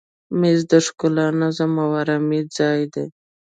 مېز د ښکلا، نظم او آرامي ځای دی.